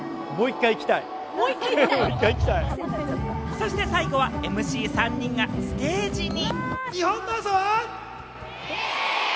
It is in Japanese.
そして最後は、ＭＣ３人がステージに。